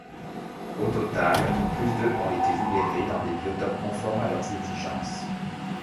Au total, plus de ont été libérées dans des biotopes conformes à leurs exigences.